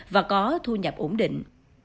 và có thu nhập ổn định